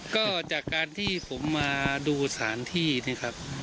ก็จากการที่ผมมาดูสถานที่นี่ครับ